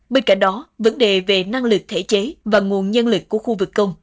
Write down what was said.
bên cạnh đó vấn đề về năng lực thể chế và nguồn nhân lực của khu vực công